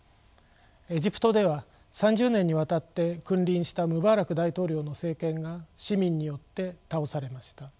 エジプトでは３０年にわたって君臨したムバラク大統領の政権が市民によって倒されました。